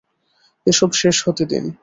এসব শেষ হতে দিন।